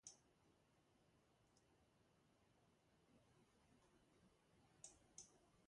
Gibbs dissented from the majority verdict in both cases.